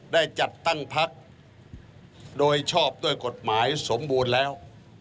ได้จัดตั้งพักโดยชอบด้วยกฎหมายสมบูรณ์แล้ว